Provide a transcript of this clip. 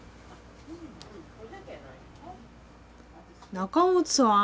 中本さん。